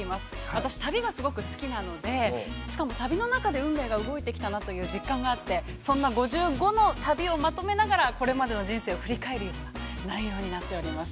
私、旅がすごく好きなので、しかも旅の中で運命が動いてきたなという実感があって、そんな５５の旅をまとめながらこれまでの人生を振り返るような内容になっています。